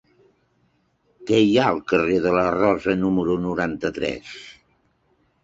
Què hi ha al carrer de la Rosa número noranta-tres?